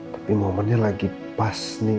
tapi momennya lagi pas nih